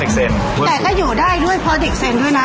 แต่ก็อยู่ได้ด้วยพอเด็กเสร็จด้วยนะ